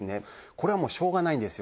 これはしようがないんですよ。